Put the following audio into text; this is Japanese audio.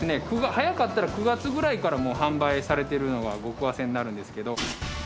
早かったら９月くらいからもう販売されてるのが極早生になるんですけど。